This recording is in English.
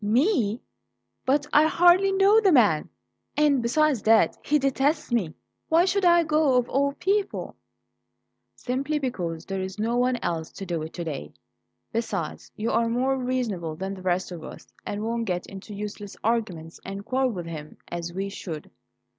"Me? But I hardly know the man; and besides that, he detests me. Why should I go, of all people?" "Simply because there's no one else to do it to day. Besides, you are more reasonable than the rest of us, and won't get into useless arguments and quarrel with him, as we should."